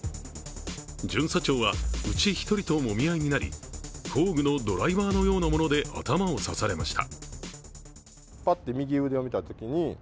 巡査長は、うち一人ともみ合いになり工具のドライバーのようなもので頭を刺されれました。